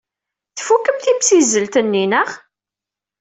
Tfukem timsizzelt-nni, naɣ?